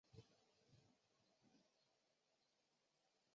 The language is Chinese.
本条目介绍的是土耳其的人口数目情况。